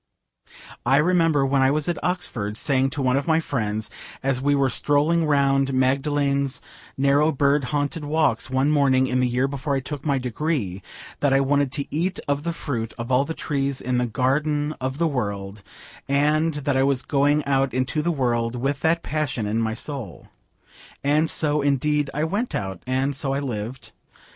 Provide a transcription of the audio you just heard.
I remember when I was at Oxford saying to one of my friends as we were strolling round Magdalen's narrow bird haunted walks one morning in the year before I took my degree, that I wanted to eat of the fruit of all the trees in the garden of the world, and that I was going out into the world with that passion in my soul. And so, indeed, I went out, and so I lived.